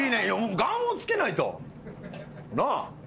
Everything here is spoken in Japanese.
ガンをつけないとなあ。